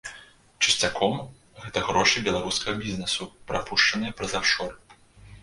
Часцяком гэта грошы беларускага бізнэсу, прапушчаныя праз афшор.